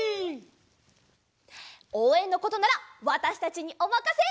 おうえんのことならわたしたちにおまかせ！